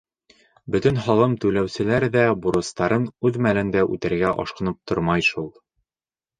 Бөтөн һалым түләүселәр ҙә бурыстарын үҙ мәлендә үтәргә ашҡынып тормай шул.